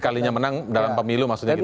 sekalinya menang dalam pemilu maksudnya gitu ya